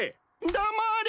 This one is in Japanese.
黙れ！